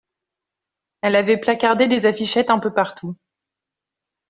Elle avait placardé des affichettes un peu partout.